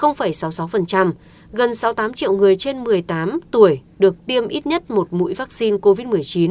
gần sáu mươi tám triệu người trên một mươi tám tuổi được tiêm ít nhất một mũi vaccine covid một mươi chín